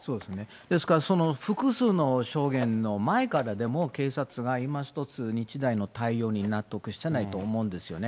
ですから複数の証言の前からでも、警察がいまひとつ、日大の対応に納得してないと思うんですよね。